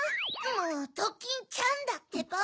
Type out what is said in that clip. もうドキンちゃんだってば。